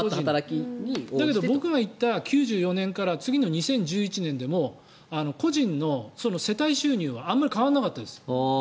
だけど僕が行った９４年から次の２０１１年でも個人の世帯収入はあまり変わらなかったです。